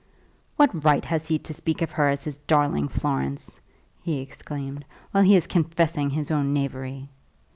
"What right has he to speak of her as his darling Florence," he exclaimed, "while he is confessing his own knavery?"